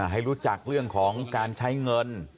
ให้รู้จักเรื่องของการใช้เงิน